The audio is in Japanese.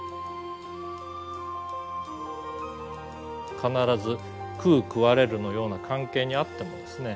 必ず食う食われるのような関係にあってもですね